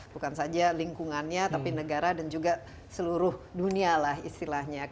bukan saja lingkungannya tapi negara dan juga seluruh dunia lah istilahnya